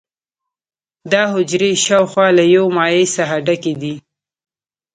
دا حجرې شاوخوا له یو مایع څخه ډکې دي.